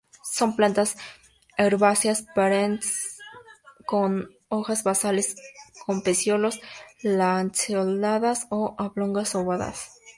Son plantas herbáceas perennes con hojas basales con peciolos, lanceoladas o oblongas o ovadas.